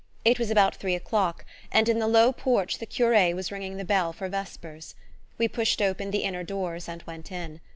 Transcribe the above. It was about three o'clock, and in the low porch the cure was ringing the bell for vespers. We pushed open the inner doors and went in.